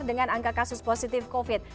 dengan angka kasus positif covid sembilan belas